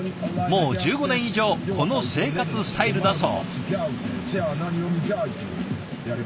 もう１５年以上この生活スタイルだそう。